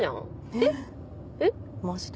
えっマジで？